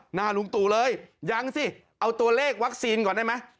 หน้าลุงตู่เลยยังสิเอาตัวเลขวัคซีนก่อนได้ไหม